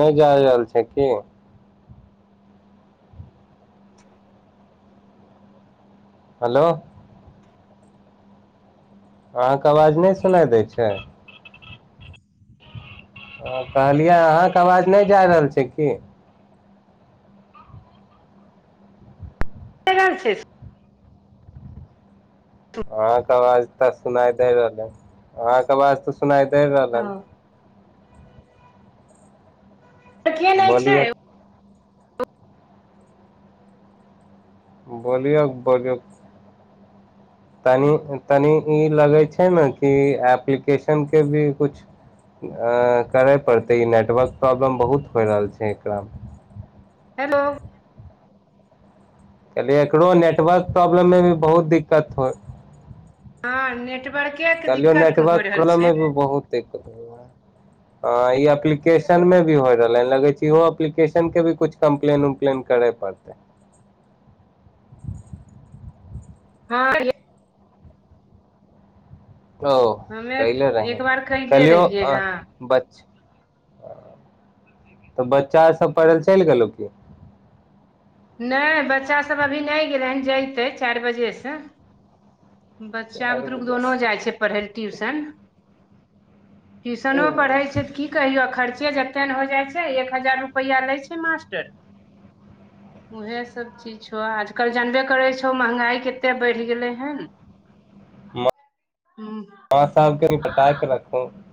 नहि जा रहल छै की हेलो हाँ कहलहुँ आज नहि सुनाय दै छै हँ कहलियै अहाँ के आवाज नहि जाय रहल छै की [inaudible] अहाँ के आवाज तऽ सुनाइ दैय रहल हन अहाँ के आवाज तऽ सुनाइ दैय रहल हन हँ नहि बोलियौ छै बोलियौ बगक तनीयों तनीयों ई लगै छै नऽ कि एप्लीकेशन केँ भी कुछ अ-अ करय पड़तै ई नेटवर्क प्रॉब्लम बहुत होय रहल छै एकरा मे हेलो कहलिए एकरो नेटवर्क प्रॉब्लम मे भी बहुत दिक्कत होइ हाँ नेट कहलियौ नेटवर्क प्रॉबलम मे भी बहुत दिक्कत होय है हँ ई एप्लिकेशन मे भी होय रहले ह लगे छै इहो एप्लिकेशन केँ भी कुछ कम्प्लेन उम्प्लेन करय पड़ते हाँ ओ हमे कैले रहि एक बार कहिले कहलियौ रहियै अ हँ बच ओ तऽ बच्चा सब पढ़य लए चलि गेलौ की नहि बच्चा सब अभी नहि गेलै हन जयते चारि बजे सँ बच्चा चारि बुतरूक बजे दोनो जाइ छै पढ़य ले ट्यूशन ट्यूशनो से पढ़ैत छै तऽ कि की कहियो खर्चे जते ने हो जाइ छै एक हजार रुपैया लय छै मास्टर उएह सभ चीज छौ आजकल जनबे करै छौ महँगाइ कतेक बढ़ि गेलै हन [inaudible] हूंम्म [unintelligible]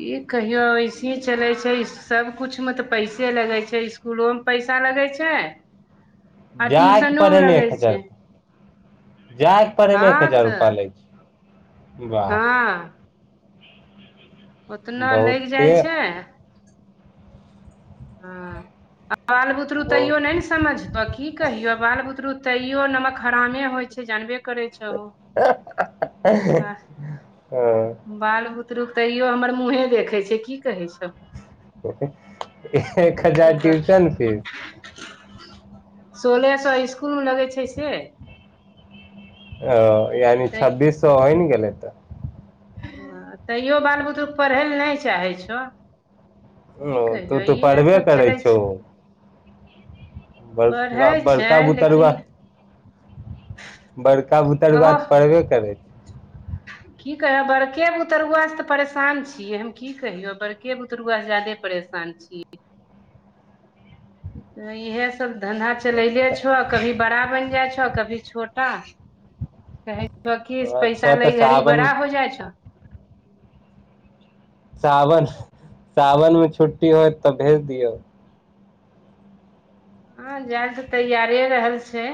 ई कहियो ऐसे चले छै सब कुछ मे तऽ पैसे लगे छै फूलो मे पैसा लगै छै [inaudible] आ जाइके ट्यूशनो मे पड़ैमे लगै एक हजार छै जायके पड़ैमे एक हँ हजार तऽ रूपा लै छै वाह हँ ओतना लागि जाइ बहुते छै हँ आ बाल बुतरु बहुत तैयो नहि ने समझतो तऽ की कहियो बाल बुतरु तैयो नमक हरामे होइ छै जानबे करै छै छहो [unintelligible] ओ बाल बुतरुक तैयो हमर मुँहे देखै छै की कहै छौ एक हजार कहबह ट्यूशन फीस सोलह सए इसकुल मे लगै छै से ओ यानी छब्बीस सौ होइ ने गेल तऽ हँ तैयो बाल बुतरूके पढ़य लए नहि चाहै छहो ओ तू तू पढ़बे सब करै चलै छौ छै पढ़ै बड़का छै बड़का लेकिन उतरूबा बड़का बुतरूआ ओह तऽ पढ़बे करै छै की कहियो बड़के बुतरुआसँ तऽ परेशान छियै हम की कहियौ बड़के बुतरुआसँ ज्यादे परेशान शान [unintelligible] छी इएहे सब धन्धा चलले छो कभी बड़ा बनि जाइ छौ कभी छोटा छ कि छौ पैसा अच्छा तऽ लै घड़ी सावन बड़ा हो जाइ छौ सावन सावन मे छुट्टी होय तब भेज दियौ हँ जायल तऽ तैयारे रहल छै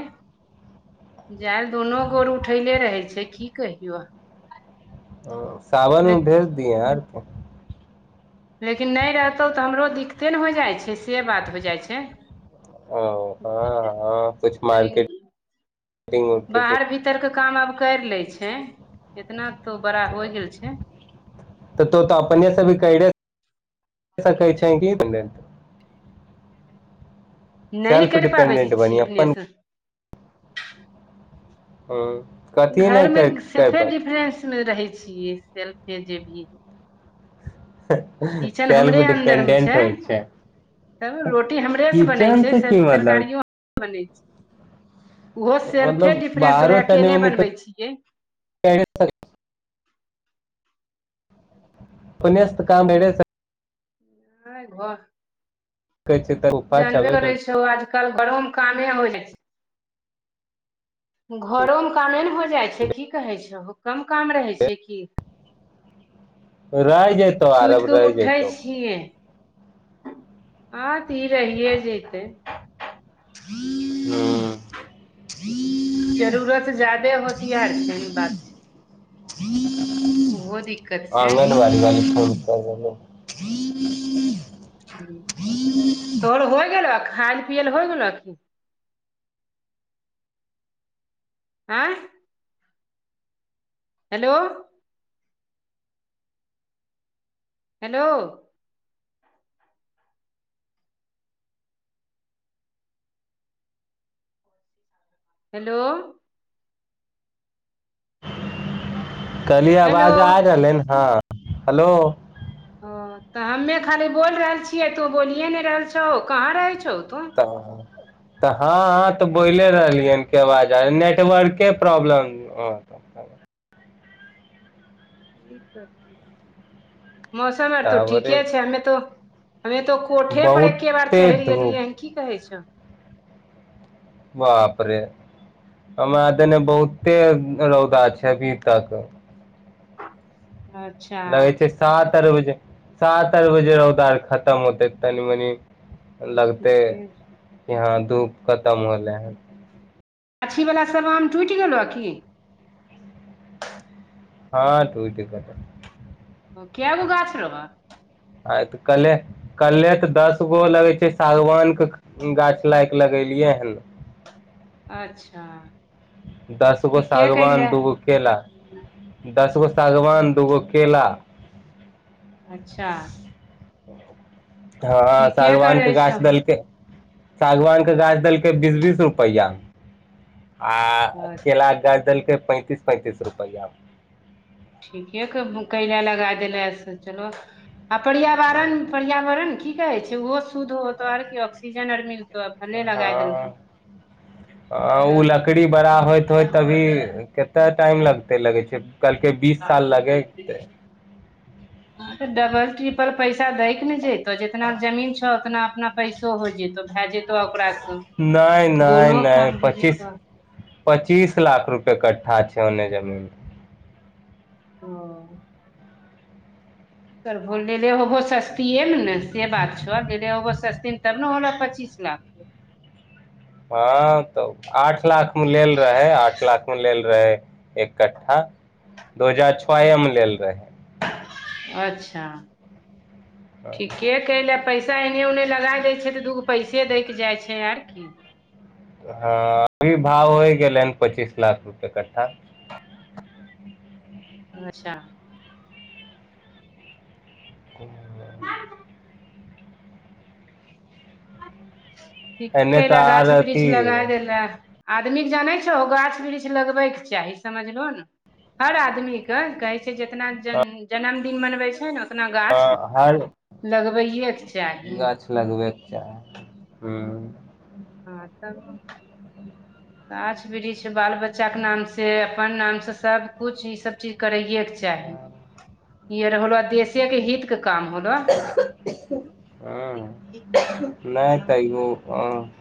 जाल दुनू गोर उठैले रहै छै की कहियो सावनमे भेज दियए आरकी लेकिन नहि रहतौ तऽ हमरो दिक्कते ने हो जाइ छै से बात हो जाइ छै ओ हँ हँ कुछ तनी मार्केटिंग उर्केटिंग बाहर भी तर के काम आब करि ले छै इतना तो बड़ा हो गेल छै तऽ तो तऽ अपनेसँ भी केैरे सकइ छै ही न नहि ने सेल्फ करि पाबै छी डिपेंडेंट बनी छी अपन अपनेसँ ओ घरमे सेल्फे डिफरेंसमे रहै छियै सेल्फे जे भी किचन सेल्फ हमरे अन्दरमे छै डिपेंडेंट होइ तब रोटी हमरेसँ बनै किचन छै से की सभ मतलब तरकारियोर बनै छै ओहो सेल्फे मतलब डिफ्रेंस बाहरो होलै तनी अकेले मनी बनबै छियै [unintelligible] अपने सँ काम भेले सँ नहि घर कहै छै त जानबे करै छ आजकल घरो में कामे हो जाइ छै घरोमे कामे ने हो जाइ छै की कहै छहो कम काम रहै छै की रैइजेतौ आराम रहैजइतौ किया हँ तऽ ई रहिए जेतै हुँ जरूरत जादे होशियार छै ई बात छै ओहो दिक्कत छै आगन बारी वाली फोन कै रहल [unintelligible] तोर होइ गेलौ खायइ ल पियए ल होइ गेलऽ की आँय हेलो हेलो हेलो कहलियै हेलो आवाज आ रहलै हँ हेलो ओ तऽ हमे खाली बोल रहल छियै तो बोलिये नहि रहल छौ कहाँ रहै छौ तू हाँ तऽ हँ हं तऽ बोले रहलियै हन के बाज नेटवर्के प्रॉब्लम हाँ अच्छा मौसम आर तो टावरे ठीके छै हमे तो हमे तो कोठे पर एके बार बहुते चढ़ि धूप गेलियै की कहे छौ बापरे हमरा देने बहुते रौदा छै अभी तक अच्छा लगै छै साँझ आर बजे सात आर बजे रौदार खतम होतै तनी मनि लगते ठीके छै। यहाँ धूप खतम होलै है गाछी बला सब आम टुटि गेलऽ की हँ टूट गेले क्या गो गाछ रह। आइत कले कल्हे तऽ दस गो लगै छै सागवान के गाछ लाइ कऽ लगेलियै हन अच्छह दस गो सागवान दूगो केला हम्म, दस गो सागवान दूगो केला अच्छा हँ ठीके सागवानके करै गाछ छहो देलकै सागवानके गाछ देलकै बीस बीस रुपैया आ अच्छा केलाक गाछ देलकै पैतीस पैतीस रुपैया मऽ ठीके कऽ केला लगा देले से चलो आ पर्यावरण पर्यावरण की कहे छै ऊहो शुद्ध होतो और की ऑक्सीजन आर मिलतौ भले लगा हँ देलहो ओ तऽ लकड़ी बड़ा होइत होइत तभी के तऽ टाइम लगते लगे छै कलके बीस साल लगेतै तऽ डबल ट्रिपल पैसा दै के न जयतो जितना जमीन छौ उतना अपना पैसो हो जतौ भए जेतो तऽ ओकार सॅं नहि नहि दुनो नहि काम हो पच्चीस जेतो पच्चीस लाख रुपए कठ्ठा छैलै जमीन ओ करबो लेऽ ले होबहो सस्तिय मे न से बात छौे ले ले होबहो सस्तिमे तब नऽ होलो पच्चीस लाख हँ तऽ आठ लाख मे लेल रहे आठ लाख मे लेल रहे एक कठ्ठा दो हजार छोए मे लेल रहेै अच्छा ठीके [unintelligible] पैसा एन्ने उन्ने लगा देय छै तऽ दूगो पैसे देक जाइ छै आर की हँ अभी भाव होइ गेलै हन पचीस लाख रुपए कट्ठा अच्छा ओ ठीके एने केयल तऽ आर गाछ वृक्ष अथी लगाय देय लऽ आदमीके जानै छहो गाछ वृक्ष लगबैके चाही समझलहो न हर आदमी क कहे छै जितना जन जन्मदिन मनवे छै न उतना गाछ हर लगबैेके चाही लगबैके चाही [inaudible] हूँ हँ तबो [inaudible] गाछ वृक्ष बाल बच्चा केे नाम से अपन नाम से सब कुछ ई सब चीज करैये चाही इ आर होलो देशे के हितके काम होलो तऽ हँ नहि तयो [unintelligible]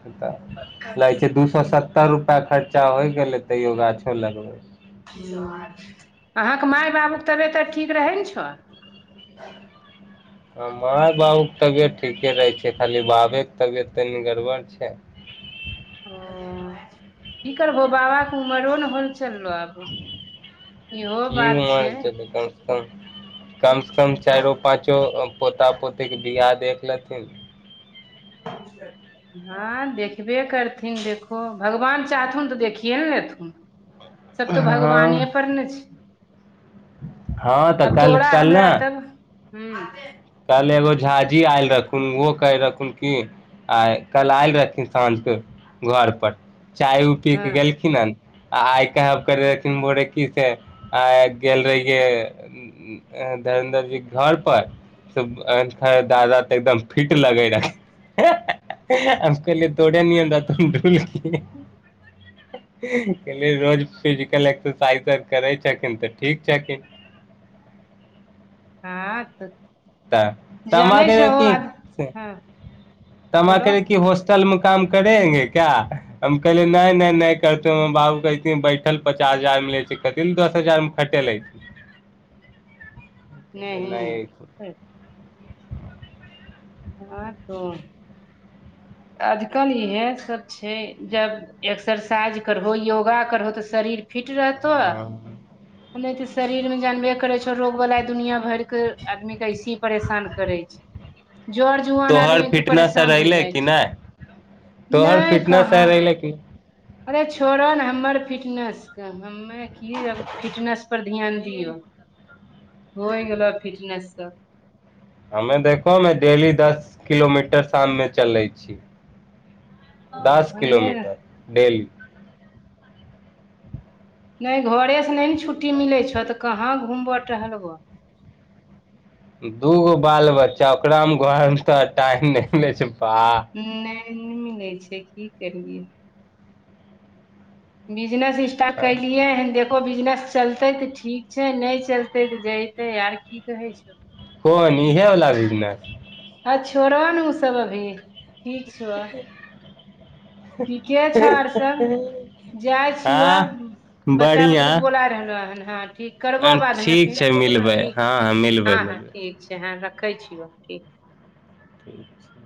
जाय छियै दू सेय सत्तर रुपा खर्च खर्चा होइ गेलै तैयो गाछो लगबै अहाँके माय बाबूके तबियत आर ठीक रहै न छौ [inaudible] हँ माय बाबू के तबियत ठीके रहै छै खाली बाबेके तबियत तनी गड़बड़ छै ओ की करबहो बाबा के उमरो ने होल चललो आब की इहो बात छै [unintelligible] कम कम से कम चाइरो पाँचो पोता पोती के बिआह देख लेथिन [inaudible] हँ देखबे करथिन देखहो भगवान चाहथुन तऽ देखिए ने लेथुन [inaudible] सभ तऽ हँ भगवाने पर ने छै हँ तऽ आब कल तोरा हमरा तब हुँ कइल एगो झाँझी आयल रहखुन ओहो कहै रहथुन की आ कल आयल रहथिन शाम के घर पर चाय उ पी कऽ हँ गेलखिन हन आ आइ कहब करे रहथिन भोरे की से आ गेल रहिये धरेन्द्र जी कऽ घर पर अ दादा तऽ एकदम फिट लगे रहै हम कहलिए तोरे नियन रहथुन ढुलकिन रोज फिजिकल एक्सरसाइजर करै छथिन तऽ ठीक छथिन हँ तऽ तऽ हमरा जानै कहै रहै छहो कि हँ तऽ हमरा बोलो कहै रहै कि हो हॉस्टल मे काम करेंगे क्या हम कहले नहि नहि नहि करते बाबू कहइ छथिन बैठल पचास हजार मिलै छै कथि ले दस हजार मे खटे लै जेते नहि हँ तो आजकल ई है सब छै जब एक्सरसाइज करहो योगा करहो तऽ शरीर फिट रहतो आ नहि तऽ शरीर मे जानबे करै छौ रोग वला दुनिया भरिक आदमीे के ऐसे ही परेशान करै छै जर जुआन तोहर आदमी तऽ फिटनेस आर परेशान हो अयले जाय कि नहि छै तोहर नहि फिटनेस कहाँ आर अयले कि अरे छोड़ऽ ने हमर फिटनेसके हमे की आब फिटनेस पर ध्यान दियौ होइ गेलो आब फिटनेससँ हमे देखहो न डेली दस किलोमीटर शाम मे चलै छीए दस हमे किलोमीटर डेली नहि घरे से नहि ने छुट्टी मिलै छौ तऽ कहाँ घुमबऽ टहलबऽ दूगो बाल बच्चा ओकरा मे घर मे तो टाइम नहि ले छै बा नहि न मिलै छै की करियै बिजनेस इस्टार्ट कलिए हन देख बिजनेस चलते तऽ ठीक छै नहि चलते तऽ जते आर की कहै छौ कोन इहे बला बिजनेस हँ छोड़ऽ ने ओ सभ अभी ठीक छौ ठीके छौ आर सब जाइ छियो हँ बच्चा बढ़िया बुतरुक बोला रहलो हन हँ ठीक करबऽ बादमे ठीक फेर छै मिलबै ठीक हँ छै मिलबै हँ हँ मिलबै ठीक छै हँ रखै छियऽ ठीक [inaudible]